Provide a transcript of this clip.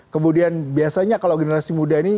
kemudian biasanya kalau generasi muda ini